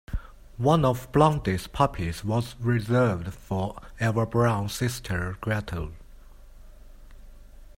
One of Blondi's puppies was reserved for Eva Braun's sister Gretl.